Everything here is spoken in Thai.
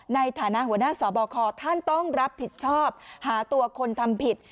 ในฐานะหัวหน้าสบคท่านต้องรับผิดชอบหาตัวคนทำผิด